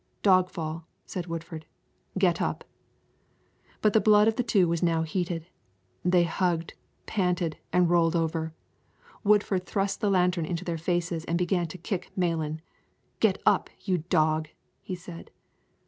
"Dog fall," said Woodford; "get up." But the blood of the two was now heated. They hugged, panted, and rolled over. Woodford thrust the lantern into their faces and began to kick Malan. "Get up, you dog," he said.